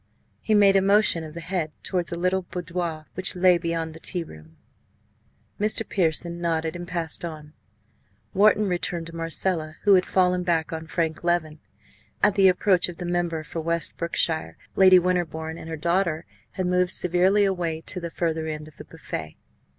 He made a motion of the head towards a little boudoir which lay beyond the tea room. Mr. Pearson nodded and passed on. Wharton returned to Marcella, who had fallen back on Frank Leven. At the approach of the member for West Brookshire, Lady Winterbourne and her daughter had moved severely away to the further end of the buffet.